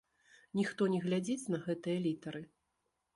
Ніхто не глядзіць на гэтыя літары!